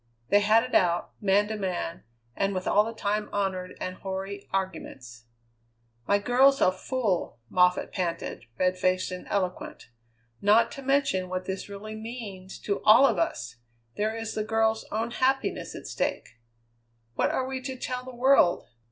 They had it out, man to man, and with all the time honoured and hoary arguments. "My girl's a fool!" Moffatt panted, red faced and eloquent. "Not to mention what this really means to all of us, there is the girl's own happiness at stake. What are we to tell the world?